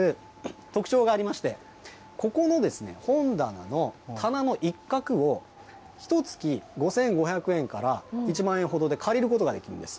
特徴がありまして、ここの本棚の棚の一角を、ひとつき５５００円から１万円ほどで借りることができるんです。